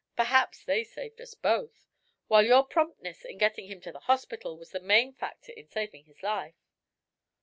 Perhaps they saved us both, while your promptness in getting him to the hospital was the main factor in saving his life."